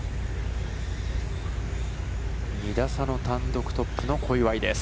２打差の単独トップの小祝です。